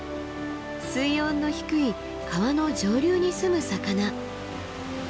水温の低い川の上流に住む魚。